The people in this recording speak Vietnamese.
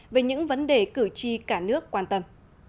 về những vấn đề cử tri cả nước quan tâm